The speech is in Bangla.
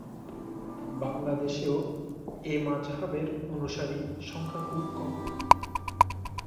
বাংলাদেশেও এ মাযহাবের অনুসারী সংখ্যা খুব কম।